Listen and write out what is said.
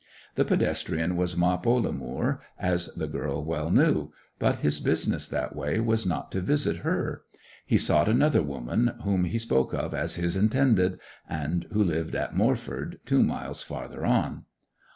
The pedestrian was Mop Ollamoor, as the girl well knew; but his business that way was not to visit her; he sought another woman whom he spoke of as his Intended, and who lived at Moreford, two miles farther on.